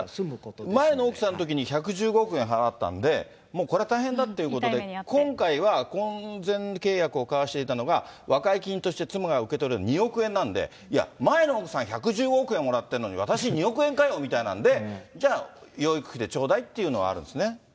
だから前の奥さんのときに１１５億円払ったんで、もうこれは大変だということで、今回は婚前契約を交わしていたのが和解金として妻が受け取るの２億円なんで、いや、前の奥さん１１０億円もらってるのに私２億円かよみたいなことで、じゃあ養育費で頂戴っていうのはあるんですね。